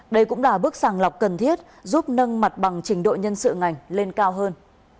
đây cũng là bước sàng lọc cần thiết giúp nâng mặt bằng trình độ nhân sự ngành lên cao hơn